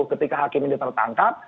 ketika hakim ini tertangkap